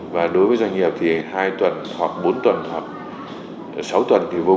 và đối với doanh nghiệp thì hai tuần hoặc bốn tuần hoặc sáu tuần thì vô cùng